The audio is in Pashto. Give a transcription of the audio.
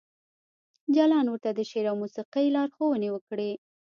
جلان ورته د شعر او موسیقۍ لارښوونې وکړې